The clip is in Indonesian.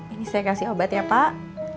ini saya kasih obat ya pak